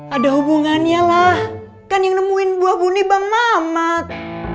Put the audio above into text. ada hubungannya lah kan yang nemuin buah buni bang mamat